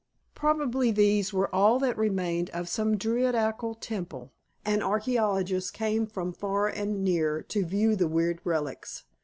Probably these were all that remained of some Druidical temple, and archaeologists came from far and near to view the weird relics.